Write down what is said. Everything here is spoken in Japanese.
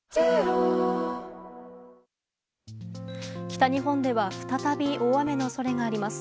北日本では再び大雨の恐れがあります。